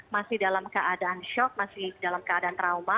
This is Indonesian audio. masih dalam keadaan shock masih dalam keadaan trauma